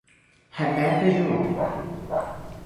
Rebeca e João